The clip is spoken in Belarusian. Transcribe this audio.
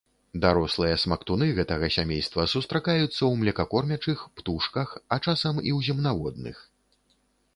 Дарослыя смактуны гэтага сямейства сустракаюцца ў млекакормячых, птушках, а часам і ў земнаводных.